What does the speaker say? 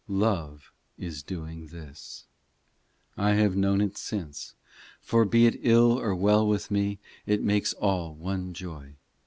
POEMS 271 in Love is doing this ; I have known it since, For be it ill or well with me It makes all one joy.